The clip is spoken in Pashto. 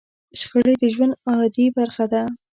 شخړې د ژوند عادي برخه ده.